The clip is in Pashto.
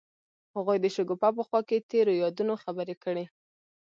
هغوی د شګوفه په خوا کې تیرو یادونو خبرې کړې.